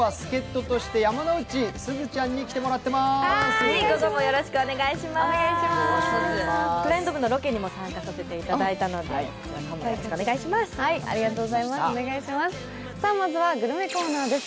トレンド部のロケにも参加させていただいたので、よろしくお願いします。